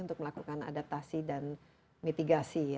untuk melakukan adaptasi dan mitigasi